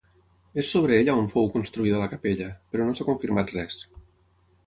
És sobre ella on fou construïda la capella, però no s'ha confirmat res.